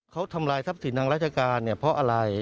เขาทำลายทรัพย์สินทางราชการเนี่ยเพราะอะไร